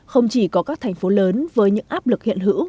không chỉ có các thành phố lớn với những áp lực hiện hữu